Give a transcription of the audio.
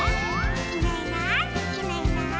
「いないいないいないいない」